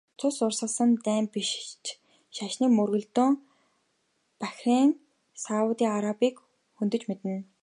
Цус урсгасан дайн биш ч шашны мөргөлдөөн Бахрейн, Саудын Арабыг хөндөж мэднэ.